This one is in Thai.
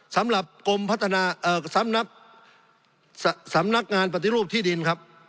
สำหรับกลมพัฒนาเอ่อสำนักงานปฏิรูปที่ดินนะครับ